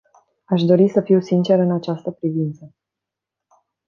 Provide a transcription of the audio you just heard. Aș dori să fiu sinceră în această privință.